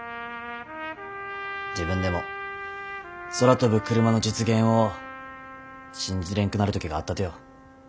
自分でも空飛ぶクルマの実現を信じれんくなる時があったとよ。